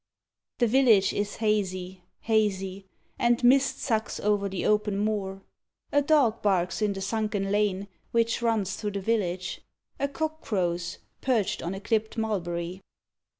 The village is hazy, hazy, And mist sucks over the open moor. A dog barks in the sunken lane which runs through the village. A cock crows, perched on a clipped mulberry.